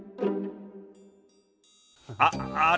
あっあれ？